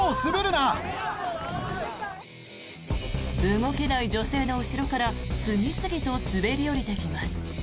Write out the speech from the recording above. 動けない女性の後ろから次々と滑り降りてきます。